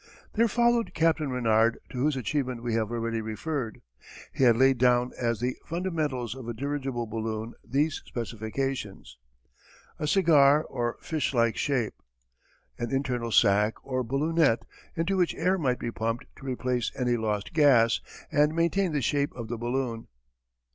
There followed Captain Renard to whose achievement we have already referred. He had laid down as the fundamentals of a dirigible balloon these specifications: A cigar, or fishlike shape. An internal sack or ballonet into which air might be pumped to replace any lost gas, and maintain the shape of the balloon.